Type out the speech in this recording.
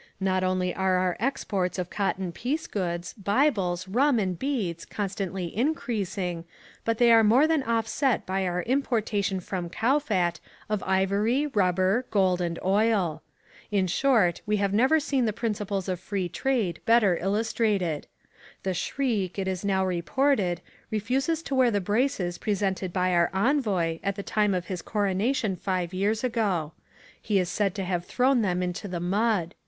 Not only are our exports of cotton piece goods, bibles, rum, and beads constantly increasing, but they are more than offset by our importation from Kowfat of ivory, rubber, gold, and oil. In short, we have never seen the principles of Free Trade better illustrated. The Shriek, it is now reported, refuses to wear the braces presented to him by our envoy at the time of his coronation five years ago. He is said to have thrown them into the mud.